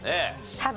多分。